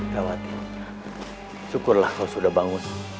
jawatin syukurlah kau sudah bangun